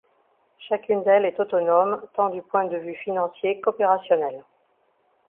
Chacune d'elles est autonome tant du point de vue financier qu'opérationnel.